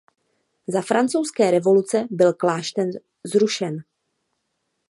Za Francouzské revoluce byl klášter zrušen.